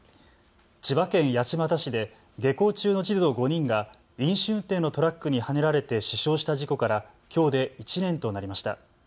千葉県八街市で下校中の児童５人が飲酒運転のトラックにはねられて死傷した事故からきょうで１年となりました。